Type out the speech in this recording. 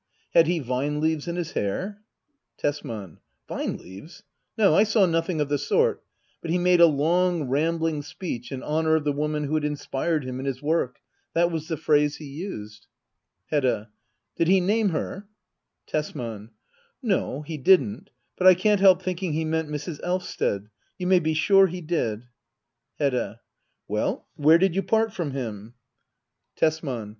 Had he vine leaves in his hair ? Tesman. Vine leaves? No, I saw nothing of the sort. But he made a long, rambling speech in honour of the woman who had inspired him in his work — that was the phrase he used. Hedda. Did he name her ? Tesman. No, he didn't; but I can't help thinking he meant Mrs. Elvsted. You may be sure he did. Hedda, Well — where did you part from him ? Digitized by Google 126 HBDDA OABLBR. [aCT III. Tesman.